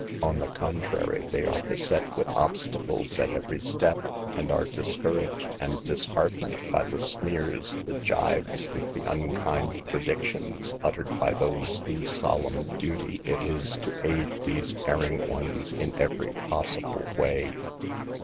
On the contrary they are beset with obstacles at 254 SAVE THE GIRLS, every step, and are discouraged and disheart ened by the sneers, the jibes and the unkind predictions, uttered by those whose solemn duty it is to aid these erring ones in every possible way.